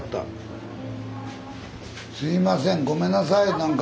すいませんごめんなさい何か。